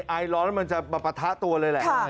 ไอร้อนมันจะมาปะทะตัวเลยแหละ